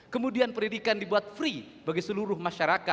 kemudian pendidikan dibuat free bagi seluruh masyarakat